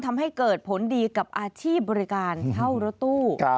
ทำให้เกิดผลดีกับอาชีพบริการเท่ารถตู้